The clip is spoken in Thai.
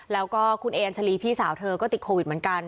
แล้วก็คุณเอ็นชะลีพี่สาวเธอก็ติดโควิดเหมือนกัน